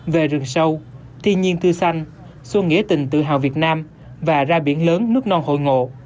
về rừng sâu thiên nhiên tươi xanh xuân nghĩa tình tự hào việt nam và ra biển lớn nước non hội ngộ